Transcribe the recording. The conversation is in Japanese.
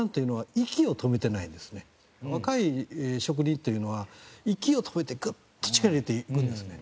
若い職人というのは息を止めてグッと力入れていくんですよね。